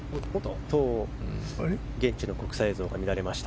現地の国際映像が乱れました。